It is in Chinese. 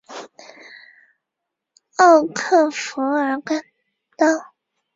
博文女校的创办者和校长是黄侃。